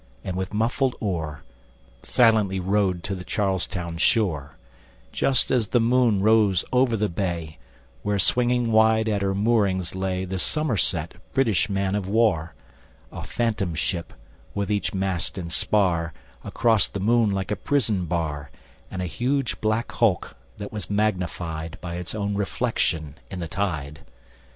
ŌĆØ and with muffled oar Silently rowed to the Charlestown shore, Just as the moon rose over the bay, Where swinging wide at her moorings lay The Somerset, British man of war; A phantom ship, with each mast and spar Across the moon like a prison bar, And a huge black hulk, that was magnified By its own reflection in the tide.